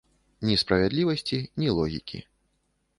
Ні справядлівасці, ні логікі.